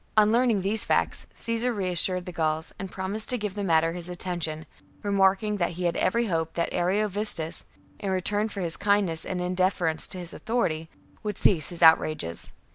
33. On learning these facts, Caesar reassured the Gauls and promised to give the matter his attention, remarking that he had every hope that Ariovistus, in return for his kindness and in deference to his authority, would cease his out rages.